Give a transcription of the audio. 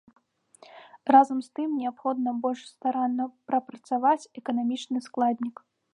Разам з тым неабходна больш старанна прапрацаваць эканамічны складнік.